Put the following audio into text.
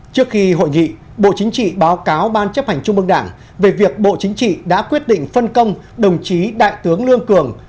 trước khi hội nghị bộ chính trị báo cáo ban chấp hành trung mương đảng về việc bộ chính trị đã quyết định phân công đồng chí đại tướng lương cường